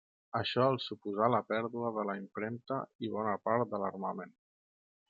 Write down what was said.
Això els suposà la pèrdua de la impremta i bona part de l'armament.